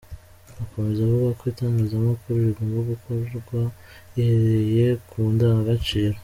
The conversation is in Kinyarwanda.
Akomeza avuga ko itangazamakuru rigomba gukorwa rihereye ku ndangagaciro.